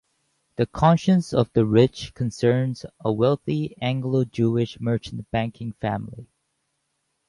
"The Conscience of the Rich" concerns a wealthy, Anglo-Jewish merchant-banking family.